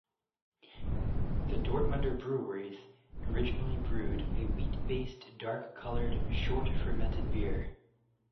The Dortmunder breweries originally brewed a wheat based, dark coloured, short fermented beer.